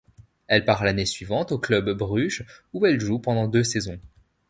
Elle part l'année suivante au Club Bruges, où elle joue pendant deux saisons.